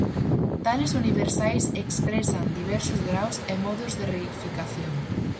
Tales universais expresan diversos graos e modos de reificación.